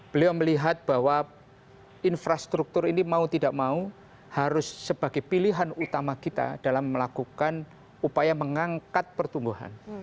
beliau melihat bahwa infrastruktur ini mau tidak mau harus sebagai pilihan utama kita dalam melakukan upaya mengangkat pertumbuhan